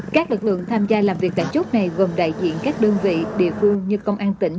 các lực lượng tham gia làm việc tại chốt này gồm đại diện các đơn vị địa phương như công an tỉnh